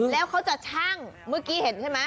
แล้วเขาจะชั่งเมื่อกี้เห็นใช่ไหม